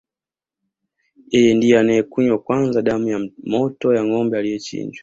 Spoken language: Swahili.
Yeye ndiye anayekunywa kwanza damu ya moto ya ngombe aliyechinjwa